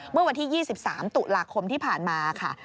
เมื่อวันที่๒๓ตุลาคมที่ผ่านมาค่ะ